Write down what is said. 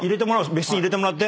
別室に入れてもらって。